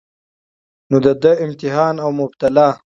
نو د ده امتحان او مبتلاء